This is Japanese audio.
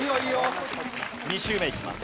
２周目いきます。